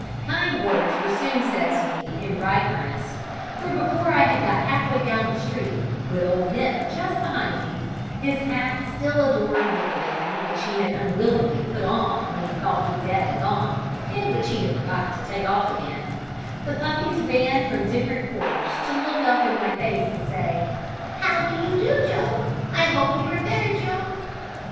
Kind words were soon said to me in right earnest, for before I had got half way down the street, with old Nip just behind me, his hat still adorned with the band which he had unwillingly put on when he thought me dead and gone, and which he had forgotten to take off again, the puppies ran from different quarters to look up in my face and say, "How do you do, Job? I hope you are better, Job."